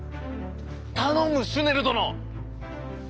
頼むシュネル殿！